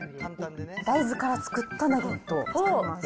大豆から作ったナゲットを使います。